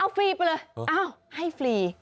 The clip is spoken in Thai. เอาฟรีไปเลยให้ฟรี